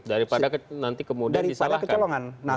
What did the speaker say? daripada nanti kemudian disalahkan